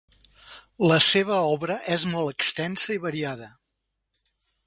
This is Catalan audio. La seva obra és molt extensa i variada.